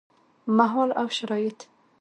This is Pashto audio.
مهال او شرايط: